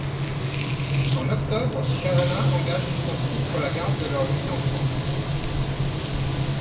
En octobre, Cavanagh engage une poursuite pour la garde de leurs huit enfants.